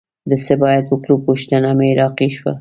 د څه باید وکړو پوښتنه محراقي شوه